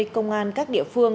công an các địa phương